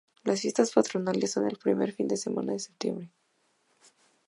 Las fiestas patronales son el primer fin de semana de septiembre.